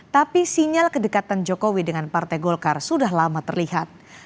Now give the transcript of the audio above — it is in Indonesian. tapi sinyal kedekatan jokowi dengan partai golkar sudah lama terlihat